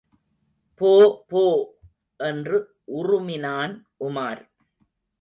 போபோ! என்று உறுமினான் உமார்.